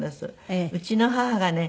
うちの母がね